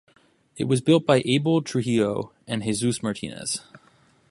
It was built by Abel Trujillo and Jesus Martinez.